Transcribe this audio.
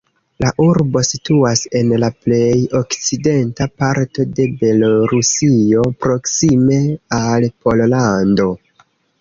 La urbo situas en la plej okcidenta parto de Belorusio, proksime al Pollando.